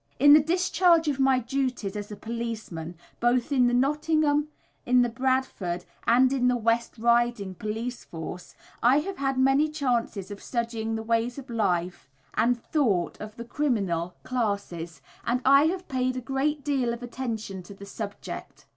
In the discharge of my duties as a policeman, both in the Nottingham, in the Bradford, and in the West Riding Police force, I have had many chances of studying the ways of life and thought of the criminal classes, and I have paid a great deal of attention to the subject.